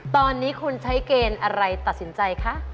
ตอนนี้คุณใช้เกณฑ์อะไรตัดสินใจคะ